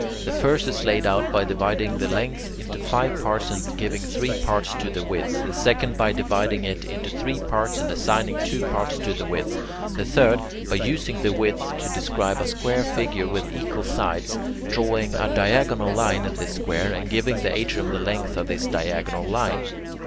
The first is laid out by dividing the length into five parts and giving three parts to the width; the second, by dividing it into three parts and assigning two parts to the width; the third, by using the width to describe a square figure with equal sides, drawing a diagonal line in this square, and giving the atrium the length of this diagonal line.